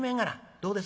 どうです？